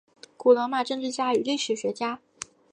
古罗马政治家与历史学家。